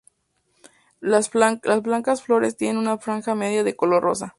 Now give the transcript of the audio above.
Las blancas flores tienen una franja media de color rosa.